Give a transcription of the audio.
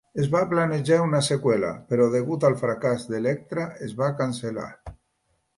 Es va planejar una seqüela, però degut al fracàs d''Elektra', es va cancel·lar.